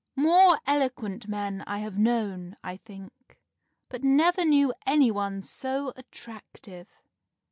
] "More eloquent men I have known, I think, but I never knew any one so attractive.